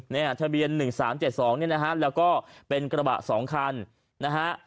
เนี่ยทะเบียนหนึ่งสามเจ็ดสองเนี่ยนะฮะแล้วก็เป็นกระบะสองคันนะฮะ